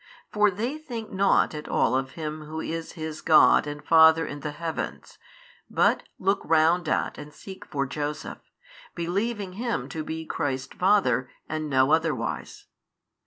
For they think nought at all of Him Who is His God and Father in the Heavens, but look round at and seek for Joseph, believing him to be Christ's father and no otherwise.